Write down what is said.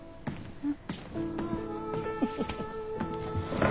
うん。